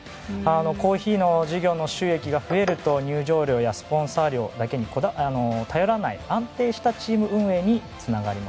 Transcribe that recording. コーヒーの事業の収益が増えると入場料やスポンサー料だけに頼らない安定したチーム運営につながります。